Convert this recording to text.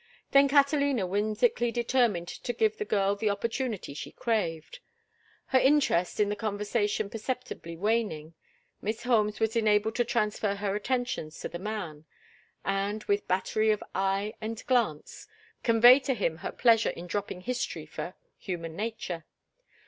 Then Catalina whimsically determined to give the girl the opportunity she craved. Her interest in the conversation perceptibly waning, Miss Holmes was enabled to transfer her attentions to the man, and, with battery of eye and glance, convey to him her pleasure in dropping history for human nature.